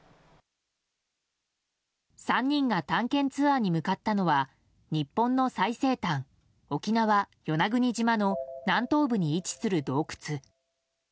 ３人が探検ツアーに向かったのは日本の最西端沖縄・与那国島の南東部に位置する洞窟。